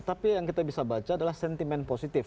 tapi yang kita bisa baca adalah sentimen positif